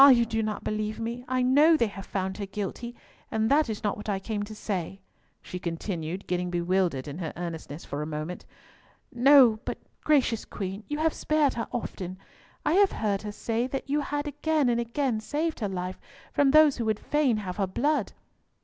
you do not believe me! I know they have found her guilty, and that is not what I came to say," she continued, getting bewildered in her earnestness for a moment. "No. But, gracious Queen, you have spared her often; I have heard her say that you had again and again saved her life from those who would fain have her blood."